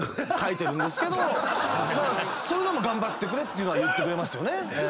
そういうのも「頑張ってくれ」っていうのは言ってくれますよね。